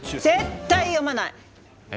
絶対読まない！え？